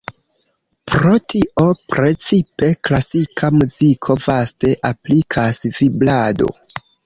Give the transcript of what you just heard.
Pro tio precipe klasika muziko vaste aplikas vibrado.